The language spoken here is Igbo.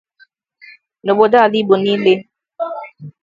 N'obodo ala Igbo niile